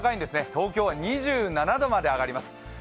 東京は２７度まで上がります。